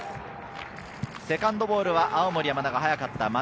セカンドボールは青森山田が早かった。